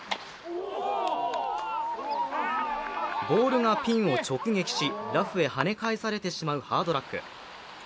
ボールがピンを直撃し、ラフへはね返されてしまうハードラック。